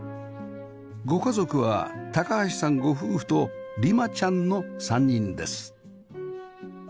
ご家族は高橋さんご夫婦と璃茉ちゃんの３人です